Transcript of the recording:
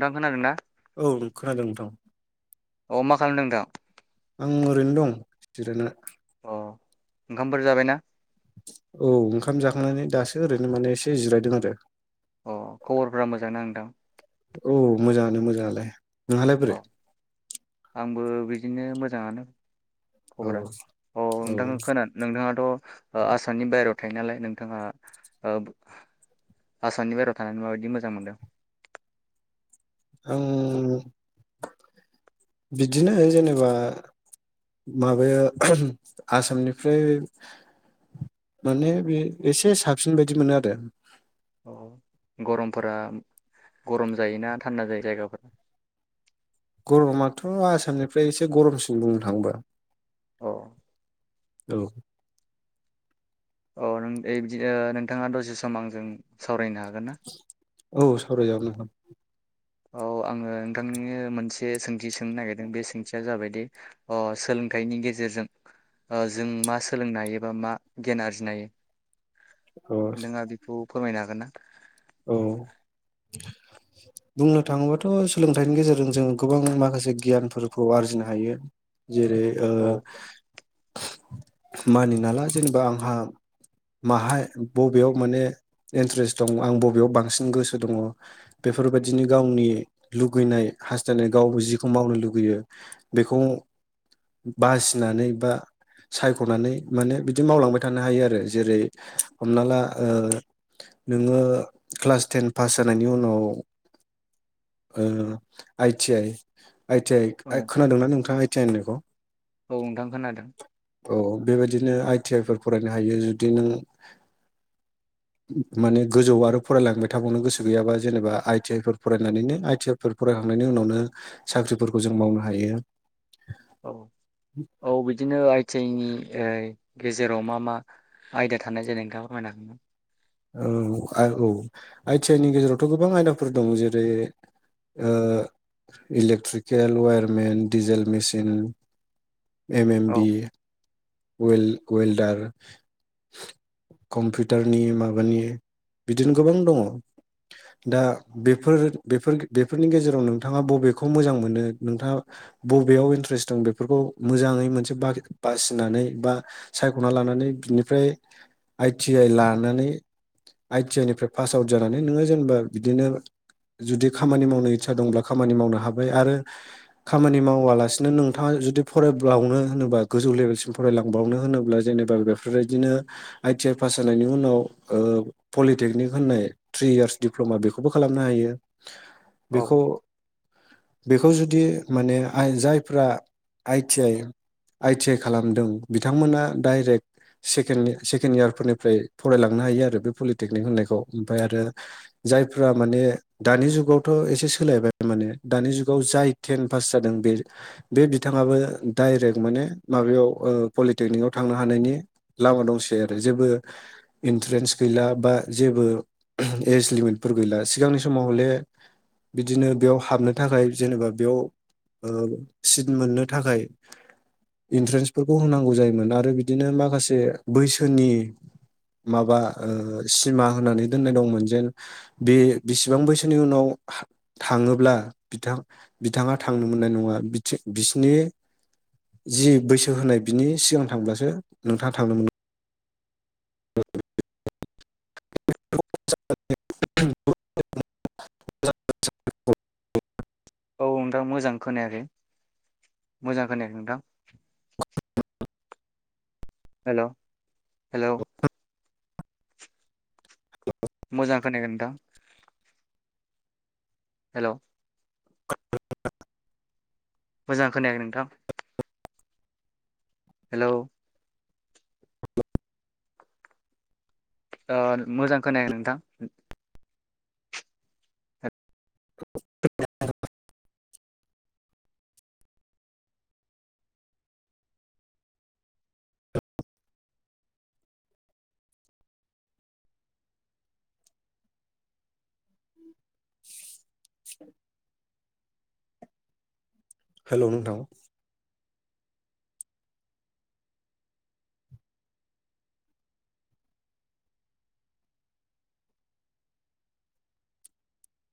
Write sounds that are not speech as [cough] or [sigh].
नोंथां खोनादोंना [inaudible] औ खोनादों नोंथां। अ मा खालामदों नोंथां? आं ओरैनो दं जिरायना। अ ओंखामफोर जाबायना? औ ओंखाम जाखांनानै दासो ओरैनो माने एसे जिरायदों आरो अ खबरफोरा मोजां ना नोंथां? औ मोजांयानो मोजांयालाय। अ [inaudible] आंबो बि बिदिनो मोजाङानो। औ खब्रा औ नोंथां खोनानो नोंथाङाथ' ओ आसामनि बायेरायाव थायो नालाय नोंथाङा ओ आसामनि बायहेरायाव थानानै माबायदि मोजां मोनदों? आं बिदिनो जेनेबा माबाया आसामनिफ्राय माने बे एसे साबसिन बायदि मोनो आरो अ गरमफोरा, गरम जायोना थान्दा जायो जायगाफोरा गरमाथ' आसामनिफ्राय एसे गरमसिम बुंनो थांयोबा। औ। औ। अ नों ए बिदि नोंथाङा दसे सम आंजों सावरायनो हागोन - जागोना? औ सावरायजागोन नोंथां। औ आङो नोंथांनि मोनसे सोंथि सोंनो नागिरदों बे सोंथिया जाबायदि अह सोलोंथाइनि गेजेरजों जों मा सोलोंनो हायो बा मा गियान आरजिनो हायो? औ नोंथाङा बेखौ फोरमायनो हागोन। गोनना? औ बुंनो थाङोबाथ' सोलोंथाइनि गेजेरजों जोङो गोबां माखासे गियानफोरखौ आरजिनो हायो। जेरै ओ औ मानि नालाय जेनेबा आंहा माहाय, बबेयाव माने इन्ट्रेस्ट दं आं बबे बेयाव बांसिन गोसो दङ, बेफोरबायदिनो गावनि लुगैनाय हास्थायनाय गाव जिखौ मावनो लुगैयो बेखौ बासिनानै, बा सायख'नानै माने बिदि मावलांबाय थानो हायो आरो। जेरै हमना ला आ नोङो क्लास टेन पास जानायनि उनाव ओ आइटि आइ आइथि औ आइ खोनादोंना नोंथाङा? [unintelligible] औ नोंथां खोनादों। औ बेबायदिनो आइटि आइ फोर फरायनो हायो, जुदि नों माने गोजौ आरो फरायलांबाय थाबावनो गोसो गैयाबा जेनेबा आइ टि आइ फोर फरायनानैनो आइ टि आइ फोर फरायखांनायनि उनावनो साख्रिफोरखौ जों मावनो हायो। औ औ बिदिनो आइटि आइ नि ओ गेजेराव मा मा आयदा थानाय जायो नोंथाङा फोरमायना हागो? औ औ आइ टि आइ नि गेजेरावथ' गोबां आयदाफोर दं जेरै electrical wireman diesel machine. M M B. औ वेल वेलदार, कम्पिउटारनि माबानि बिदिनो गोबां दङ' दा। बेफोर बेफोर बेफोरनि गेजेराव नोंथाङा बबेखौ मोजां मोनो नोंथाङा बबेयाव इन्ट्रेस्ट दं बेफोरखौ मोजाङै मोनसे बा बासि होननानै बा सायख'ना लानानै बिनिफ्राय आइ टि आइ लानानै, आइ टि आइनिफ्रा पास आवोद जानानै नोङो जेनेबा बिदिनो जुदि खामानि मावनो इदसा दंब्ला खामानि मावनो हाबाय। आरो खामानि मावालासेनो नोंथाङा जुदि फरायबावनो होनोबा गोजौ लेबेलसिम फरायलांबावनो होनोब्ला जेनेबा बेफोरबायदिनो आइ टि आइ पास जानायनि उनाव, ओ पलिटेकनिक होननाय थ्रि इयारस डप्ल'मा बेखौबो खालामनो हायो। औ बेखौ बेखौ जुदि माने आइ जायफ्रा I T I I T I खालामदों बिथांमोना डायरेक्ट सेकेन सेकेन इयारफोरनिफ्राय फरायलांनो हायो आरो बे पलिटेकनिक होननायखौ, ओमफ्राय आरो जायफ्रा माने दानि जुगावथ' एसे सोलायबाय माने दानि जुगाव जाय टेन पास जादों बे बे बिथाङाबो डाइरेक्ट माने माबायाव ओ पलिटेकनिकाव थांनो हानायनि लामा दंसै आरो। जेबो इन्ट्रेनस गैला बा जेबो एज लिमिटफोर गैला सिगांनि समाव हले, बिदिनो बेयाव हाबनो थाखाय जेनेबा बेयाव ओ सिट मोननो थाखाय इन्ट्रेनसफोरखौ होनांगौ जायोमोन, आरो बिदिनो माखासे बैसोनि माबा ओ सिमा होनानै दोननाय दंमोन जेन, बे बिसेबां बैसोनि उनाव थाङोब्ला बिथां बिथाङा थांनो मोननाय नङा बिथि बिसिनि जि बैसो होनाय बिनि सिगां थांब्लासो नोंथाङा थांनो मोन। [inaudible] [inaudible] औ नोंथां मोजां खोनायाखै मोजां खोनायाखै नोंथां? हेलौ। हेलौ। मोजां खोनायाखै नोंथां। हेलौ। [inaudible] मोजां खोनायाखै नोंथां। हेलौ। ओ मोजां खोनायाखै नोंथां। [inaudible] हेलौ नोंथां।